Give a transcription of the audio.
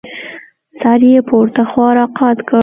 سر يې پورته خوا راقات کړ.